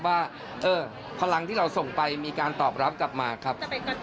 ว่าพลังที่เราส่งไปมีการตอบรับกลับมาครับ